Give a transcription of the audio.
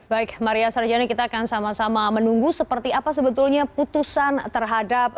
baik maria sarjana kita akan sama sama menunggu seperti apa sebetulnya putusan terhadap